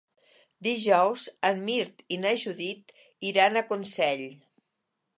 Dijous en Mirt i na Judit iran a Consell.